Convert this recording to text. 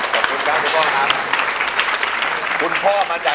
ขอบคุณครับพี่พ่อครับ